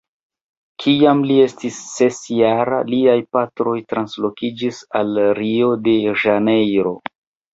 Kiam li estis ses-jara, liaj patroj translokiĝis al Rio-de-Ĵanejro.